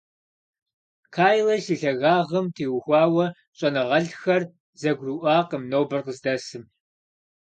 Кайлас и лъагагъым теухуауэ щӀэныгъэлӀхэр зэгурыӀуакъым нобэр къыздэсым.